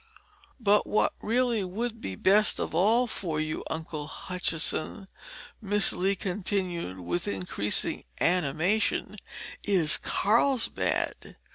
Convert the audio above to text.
"But what really would be best of all for you, Uncle Hutchinson," Miss Lee continued, with increasing animation, "is Carlsbad.